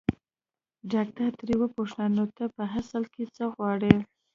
ډاکټر ترې وپوښتل نو ته په اصل کې څه غواړې.